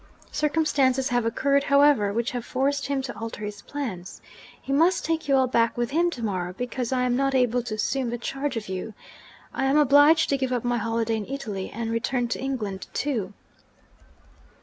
Circumstances have occurred, however, which have forced him to alter his plans. He must take you all back with him to morrow because I am not able to assume the charge of you. I am obliged to give up my holiday in Italy, and return to England too.'